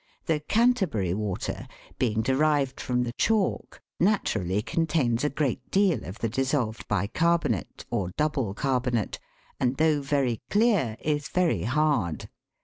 The Canterbury water, being derived from the chalk, naturally contains a great deal of the dissolved bi carbonate, or double carbonate, and though very clear is very hard.